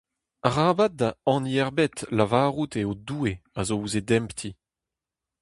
Arabat da hini ebet lavarout eo Doue a zo ouzh e demptiñ.